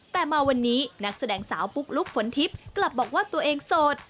แต่มาวันนี้นักแสดงสาวปุ๊กลุ๊กฝนทิพย์กลับบอกว่าตัวเองโสด